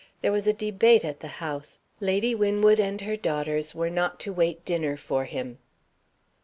There was a debate at the House. Lady Winwood and his daughters were not to wait dinner for him.